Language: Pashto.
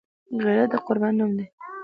غیرت د قربانۍ نوم دی